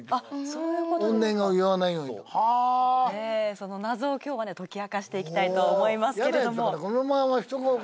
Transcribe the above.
その謎を今日はね解き明かしていきたいと思いますけれども。